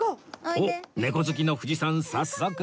おっ猫好きの藤さん早速